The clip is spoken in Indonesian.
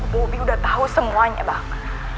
bobi udah tahu semuanya bahwa